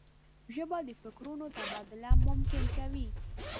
ژبه د فکرونو تبادله ممکن کوي